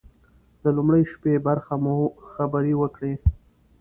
د لومړۍ شپې برخه مو خبرې وکړې.